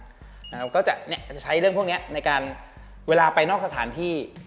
ก็จะใช้เรื่องพวกนี้ในการเวลาไปนอกสถานที่